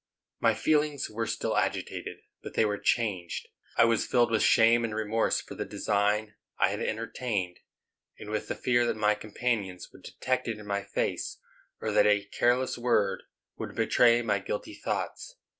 My feelings were still agitated, but they were changed. I was filled with shame and remorse for the design I had entertained, and with the fear that my companions would detect it in my face, or that a careless word would betray my guilty thoughts.